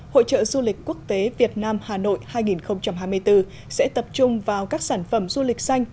hội trợ du lịch quốc tế việt nam hà nội hai nghìn hai mươi bốn sẽ tập trung vào các sản phẩm du lịch xanh